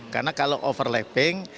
karena kalau overlapping